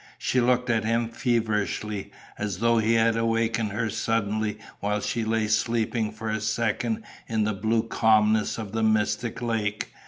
She looked at him feverishly, as though he had awakened her suddenly while she lay sleeping for a second in the blue calmness of the mystic lake.